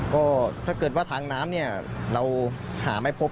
ก็ถ้าเกิดว่าทางน้ำเนี่ยเราหาไม่พบ